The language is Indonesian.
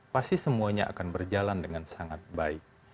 pasti semuanya akan berjalan dengan sangat baik